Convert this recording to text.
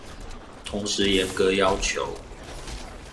同時嚴格要求